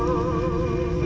ketika kita berdua berdua